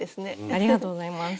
ありがとうございます。